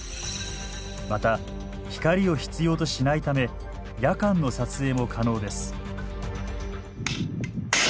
また光を必要としないため夜間の撮影も可能です。